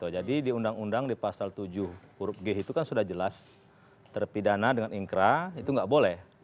jadi di undang undang di pasal tujuh huruf g itu kan sudah jelas terpidana dengan inkrah itu gak boleh